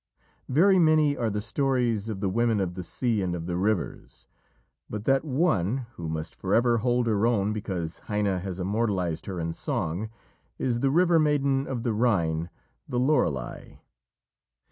Very many are the stories of the women of the sea and of the rivers, but that one who must forever hold her own, because Heine has immortalised her in song, is the river maiden of the Rhine the Lorelei.